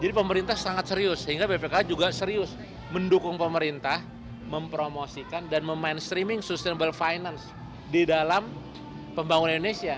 jadi pemerintah sangat serius sehingga bpkh juga serius mendukung pemerintah mempromosikan dan memain streaming sustainable finance di dalam pembangunan indonesia